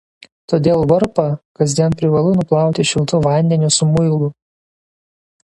Todėl varpą kasdien privalu nuplauti šiltu vandeniu su muilu.